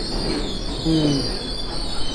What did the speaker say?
คูล